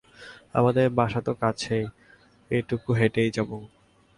আমাদের বাসা তো কাছেই, এটুকু হেঁটেই যাব।